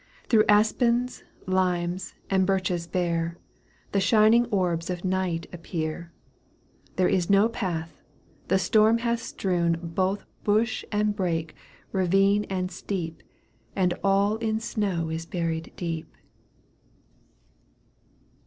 135 Through aspens, limes and birches bare, The shining orbs of night appear ; There is no path ; the storm hath strewn Both bush and brake, ravine and steep, And all in snow is buried deep.